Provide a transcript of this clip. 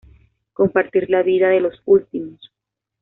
Compartir la vida de los últimos.